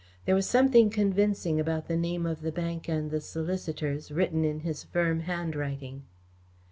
There was something convincing about the name of the bank and the solicitors, written in his firm handwriting.